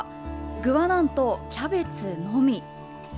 具はなんと、キャベツのみ。